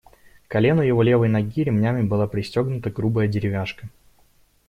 К колену его левой ноги ремнями была пристегнута грубая деревяшка.